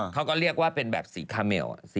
เขาก็เรียกว่าเป็นแบบสีคาเมล